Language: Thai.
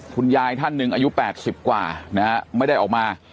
ท่านหนึ่งอายุ๘๐กว่านะฮะไม่ได้ออกมา